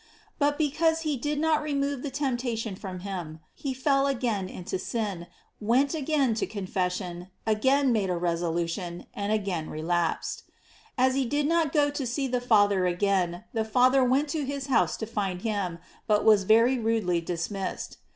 But because he aid not remove the temptation from him, he foli again into sin, went again to confession, again made a resolution, and again relapsed. As he did not go to see the Father again, the Father went to his house to find him, but was very rudely dismissed.